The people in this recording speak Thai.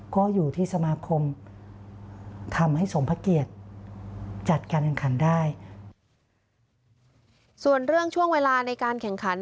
ก็อยู่ที่สมาคมทำให้สมพระเกียรติจัดการแข่งขันได้ส่วนเรื่องช่วงเวลาในการแข่งขัน